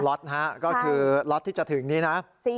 ล็อตนะฮะก็คือล็อตที่จะถึงนี้นะ